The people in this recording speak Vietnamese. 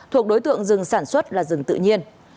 thuộc đối tượng rừng sản xuất là rừng tự nhiên